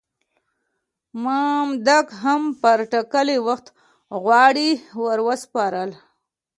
مامدک هم پر ټاکلي وخت غوړي ور وسپارل.